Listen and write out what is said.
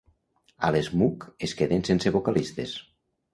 A l'ESMUC es queden sense vocalistes.